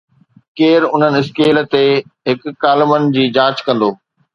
ڪير انهن اسڪيل تي هڪ ڪالمن جي جانچ ڪندو